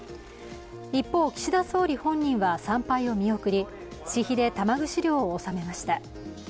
一方、岸田総理本人は参拝を見送り私費で玉串料を納めました。